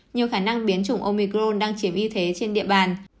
nhiều khả năng biến chủng omicron đang chiếm ưu thế trên địa bàn